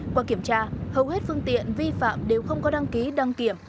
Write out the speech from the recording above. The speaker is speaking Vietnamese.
qua kiểm tra hầu hết phương tiện vi phạm đều không có đăng ký đăng kiểm